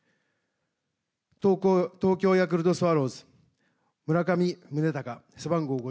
東京ヤクルトスワローズ村上宗隆、背番号５５。